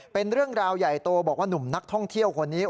เป็นเรื่องราวใหญ่โตบอกว่าหนุ่มนักท่องเที่ยวคนนี้